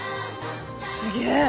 すげえ！